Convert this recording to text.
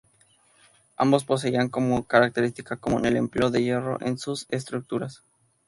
Ambos poseían como característica común el empleo de hierro en sus estructuras.